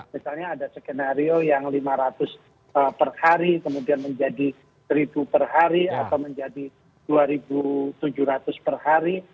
misalnya ada skenario yang lima ratus per hari kemudian menjadi seribu per hari atau menjadi dua tujuh ratus per hari